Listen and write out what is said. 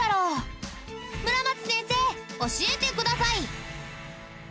村松先生教えてください！